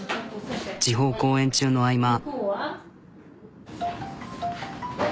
地方公演中の合間。